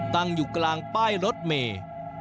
ตั้งอยู่กลางป้ายรถเมย์